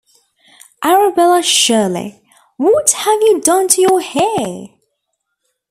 Arabella Shirley, what have you done to your hair?